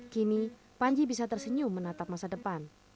kini panji bisa tersenyum menatap masa depan